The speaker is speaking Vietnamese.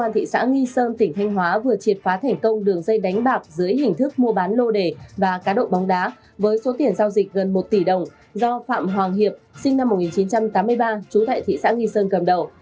công an thị xã nghi sơn tỉnh thanh hóa vừa triệt phá thành công đường dây đánh bạc dưới hình thức mua bán lô đề và cá độ bóng đá với số tiền giao dịch gần một tỷ đồng do phạm hoàng hiệp sinh năm một nghìn chín trăm tám mươi ba trú tại thị xã nghi sơn cầm đầu